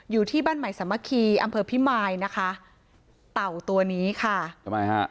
อยู่ที่บ้านใหม่สามัคคีอำเภอพิมายนะคะเต่าตัวนี้ค่ะทำไมฮะ